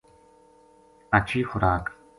ہچھی خوراک